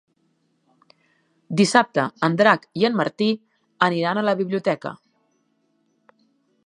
Dissabte en Drac i en Martí aniran a la biblioteca.